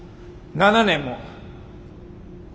７年も！